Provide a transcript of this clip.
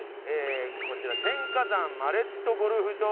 こちら天下山マレットゴルフ場前。